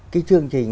cái chương trình